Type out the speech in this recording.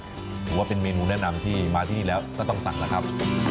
ถือว่าเป็นเมนูแนะนำที่มาที่แล้วก็ต้องสั่งแล้วครับ